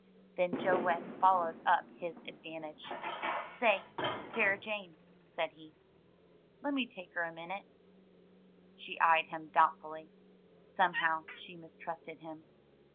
Then Joe West followed up his advantage. '*Say, Sarah Jane," said he, lemme take her a minute." She eyed him doubtfully. Somehow she mistrusted him.